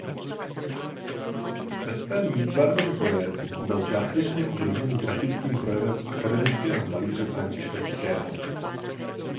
Ve svém výtvarném projevu byl částečně ovlivněn grafickým projevem akademického malíře Františka Tichého.